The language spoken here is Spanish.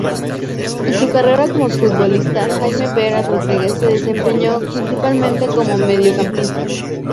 En su carrera como futbolista, Jaime Vera Rodríguez se desempeñó principalmente como mediocampista.